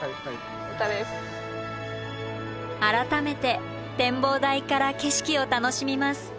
改めて展望台から景色を楽しみます。